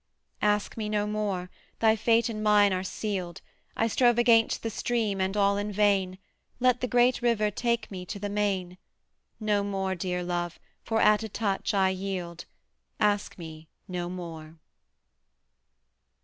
Ask me no more: thy fate and mine are sealed: I strove against the stream and all in vain: Let the great river take me to the main: No more, dear love, for at a touch I yield; Ask me no more.